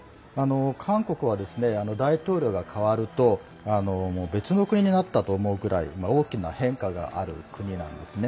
韓国は大統領が代わると別の国になったと思うぐらい大きな変化がある国なんですね。